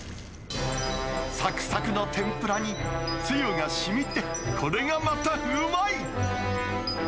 さくさくの天ぷらにつゆがしみて、これがまたうまい。